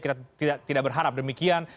kita tidak berharap demikian